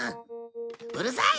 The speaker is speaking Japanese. うるさい！